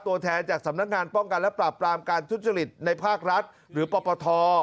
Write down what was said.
ตัวแทนจากสำนักงานป้องกันและปราบปรามการทุจริตในภาครัฐหรือปปท